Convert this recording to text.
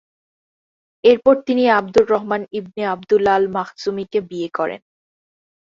এরপর তিনি আব্দুর রহমান ইবনে আবদুল্লাহ আল-মাখজুমিকে বিয়ে করেন।